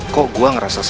kok gua ngerasa sakit ya